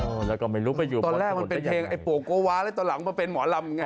แล้วก็ไม่รู้ไปอยู่ตอนแรกมันเป็นเพลงไอ้ปวงโกวาแล้วตอนหลังมาเป็นหมอลำไง